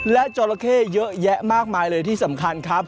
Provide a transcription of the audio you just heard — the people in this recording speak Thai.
และจราเข้เยอะแยะมากมายเลยที่สำคัญครับ